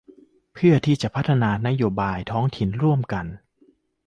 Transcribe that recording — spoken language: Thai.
เพื่อที่จะพัฒนานโยบายท้องถิ่นร่วมกัน